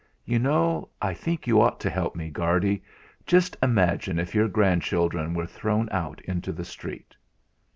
You know, I think you ought to help me, Guardy. Just imagine if your grandchildren were thrown out into the street!"